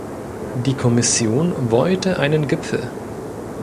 Die Kommission wollte einen Gipfel.